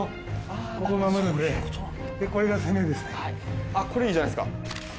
あっこれいいじゃないですか。